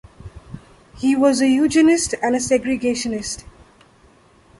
He was a eugenicist and a segregationist.